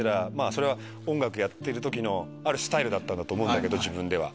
それは音楽やってる時のスタイルだったと思う自分では。